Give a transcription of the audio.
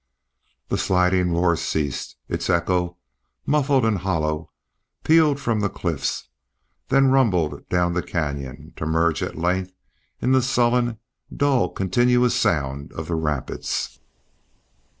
The sliding roar ceased; its echo, muffled and hollow, pealed from the cliffs, then rumbled down the canyon to merge at length in the sullen, dull, continuous sound of the rapids.